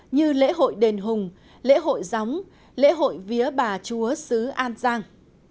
như lễ hội đền hùng lễ hội gióng lễ hội vía bà chúa sứ an giang